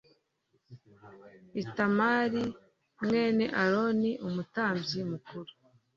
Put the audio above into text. itamari mwene aroni umutambyi mukuru